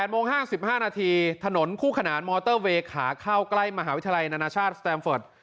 โมง๕๕นาทีถนนคู่ขนานมอเตอร์เวย์ขาเข้าใกล้มหาวิทยาลัยนานาชาติสแตมเฟิร์ต